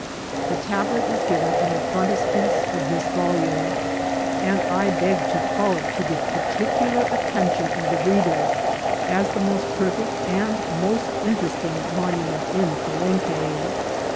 The tablet is given in the frontispiece of this volume, and I beg to call to it the particular attention of the reader, as the most perfect and most interesting monu ment in Palenque.